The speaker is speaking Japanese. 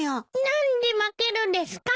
何で負けるですか？